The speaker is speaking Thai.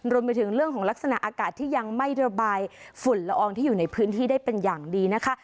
รวมไปถึงเรื่องของลักษณะอากาศที่ยังไม่ระบายฝุ่นละอองที่อยู่ในพื้นที่ได้เป็นอย่างดีนะคะ